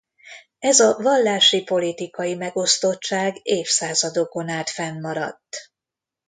Ez a vallási-politikai megosztottság évszázadokon át fennmaradt.